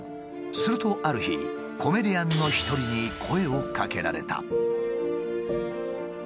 するとある日コメディアンの一人に声をかけられた。